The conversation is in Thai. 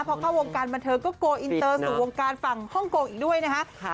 พอเข้าวงการบันเทิงก็โกลอินเตอร์สู่วงการฝั่งฮ่องกงอีกด้วยนะคะ